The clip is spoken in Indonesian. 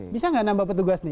bisa nggak nambah petugas nih